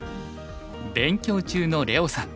勉強中の怜央さん。